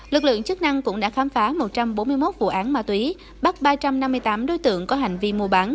lực lượng chức năng cũng đã khám phá một trăm bốn mươi một vụ án ma túy bắt ba trăm năm mươi tám đối tượng có hành vi mua bán